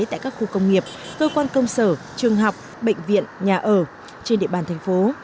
tại các khu công nghiệp cơ quan công sở trường học bệnh viện nhà ở trên địa bàn thành phố